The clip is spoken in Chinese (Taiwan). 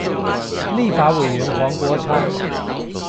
立法委員黃國昌